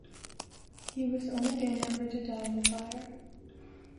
He was the only band member to die in the fire.